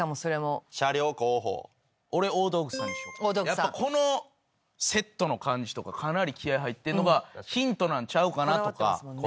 やっぱこのセットの感じとかかなり気合入ってんのがヒントなんちゃうかなとか。